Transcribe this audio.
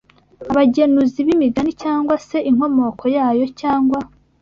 abagenuzi b’imigani cyangwa se inkomoko yayo cyangwa